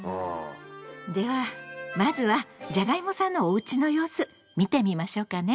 ではまずはじゃがいもさんのおうちの様子見てみましょうかね。